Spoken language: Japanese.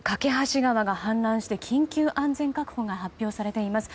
梯川が氾濫して緊急安全確保が発表されています。